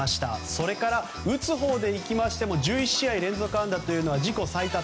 それから打つほうでいきましても１１試合連続安打は自己最多